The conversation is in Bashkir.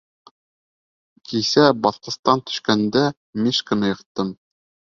— Кисә баҫҡыстан төшкәндә, Мишканы йыҡтым.